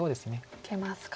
受けますか。